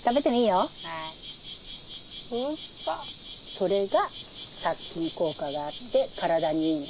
それが殺菌効果があって体にいいねん。